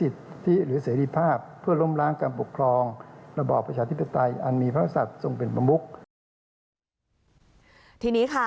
ทีนี้ค่ะ